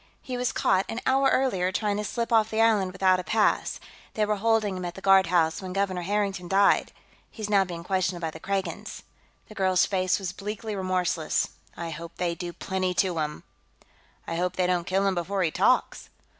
He was caught, an hour earlier, trying to slip off the island without a pass; they were holding him at the guardhouse when Governor Harrington died. He's now being questioned by the Kragans." The girl's face was bleakly remorseless. "I hope they do plenty to him!" "I hope they don't kill him before he talks."